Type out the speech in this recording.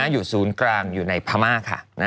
อยู่ศูนย์กลางอยู่ในพม่าค่ะ